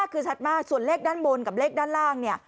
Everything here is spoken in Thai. คือชัดมากส่วนเลขด้านบนกับเลขด้านล่าง